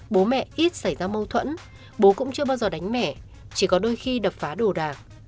bố mẹ ít xảy ra mâu thuẫn bố cũng chưa bao giờ đánh mẹ chỉ có đôi khi đập phá đồ đạc